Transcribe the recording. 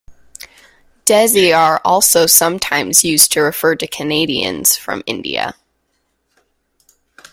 Desi are also sometimes used to refer to Canadians from India.